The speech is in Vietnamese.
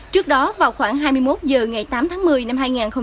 trước đó vào khoảng hai mươi một h ngày tám tháng một mươi năm hai nghìn một mươi năm